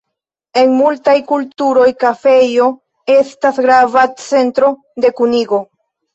En multaj kulturoj kafejo estas grava centro de kunigo.